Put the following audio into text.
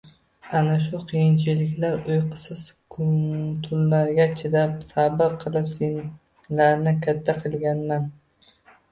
Ana shunday qiyinchiliklar, uyqusiz tunlarga chidab, sabr qilib senlarni katta qilganman